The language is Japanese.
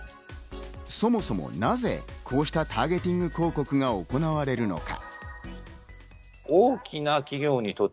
そもそもなぜ、こうしたターゲティング広告が行われるのか。